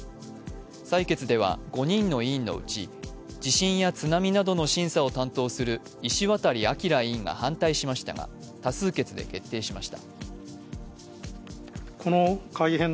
採決では５人の委員のうち地震や津波などの審査を担当する石渡明委員が反対しましたが多数決で決定しました。